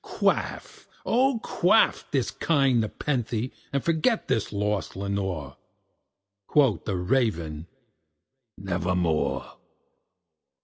Quaff, oh quaff this kind nepenthé, and forget this lost Lenore!" Quoth the Raven, "Nevermore."